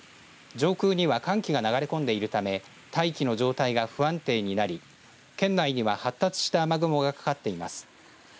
上空には寒気が流れ込んでいるため大気の状態が不安定になり県内には発達した雨雲がかかっています。